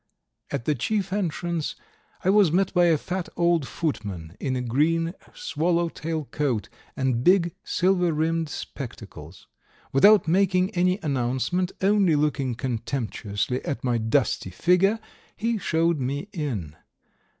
At the chief entrance I was met by a fat old footman in a green swallow tail coat and big silver rimmed spectacles; without making any announcement, only looking contemptuously at my dusty figure, he showed me in.